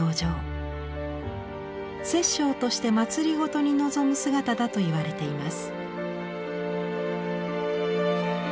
摂政として政に臨む姿だといわれています。